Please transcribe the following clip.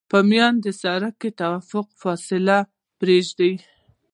په مایل سرک کې د توقف فاصله بدلیږي